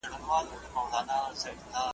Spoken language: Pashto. چی خوله پوری په نغمه کی زما زړه هم ورته گډېږی ,